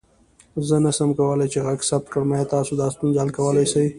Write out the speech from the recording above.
زه نسم کولى چې غږ ثبت کړم، آيا تاسو دا ستونزه حل کولى سې؟